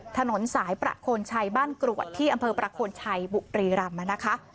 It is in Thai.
ถนนสายประโคนชัยบ้านกรวดที่อำเภอประโคนชัยบุรีรำนะคะ